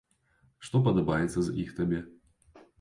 Што падабаецца з іх табе?